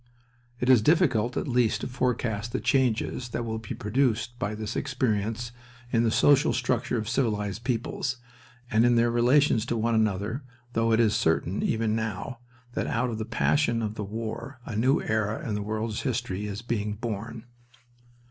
It is difficult at least to forecast the changes that will be produced by this experience in the social structure of civilized peoples, and in their relations to one another though it is certain, even now, that out of the passion of the war a new era in the world's history is being born.